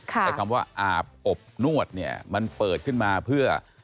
ไอ้คำว่าอาบอบนวดเนี่ยมันเปิดขึ้นมาเพื่อ